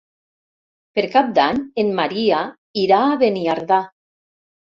Per Cap d'Any en Maria irà a Beniardà.